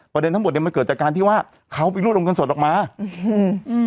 ทั้งหมดเนี้ยมันเกิดจากการที่ว่าเขาไปรวดลงเงินสดออกมาอืมอืม